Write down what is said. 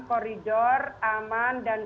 koridor aman dan